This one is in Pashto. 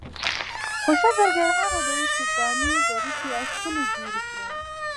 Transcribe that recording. خو ښه زرګر هغه دی چې ګاڼې ظریفې او ښکلې جوړې کړي.